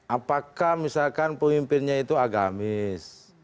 apakah misalkan pemimpinnya itu agamis